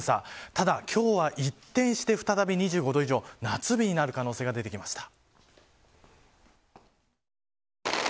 ただ、今日は一転して再び２５度以上夏日になる可能性が出てきました。